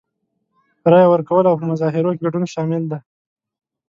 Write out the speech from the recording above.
رای ورکول او په مظاهرو کې ګډون شامل دي.